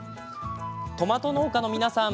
「トマト農家の皆さん